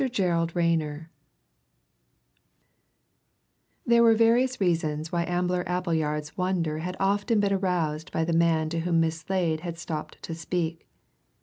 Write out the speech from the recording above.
GERALD RAYNER There were various reasons why Ambler Appleyard's wonder had often been aroused by the man to whom Miss Slade had stopped to speak.